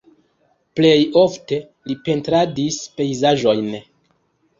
Plej ofte li pentradis pejzaĝojn.